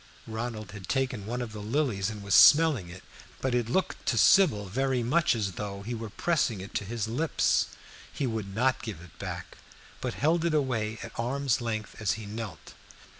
Ronald had taken one of the lilies and was smelling it, but it looked to Sybil very much as though he were pressing it to his lips. He would not give it back, but held it away at arm's length as he knelt.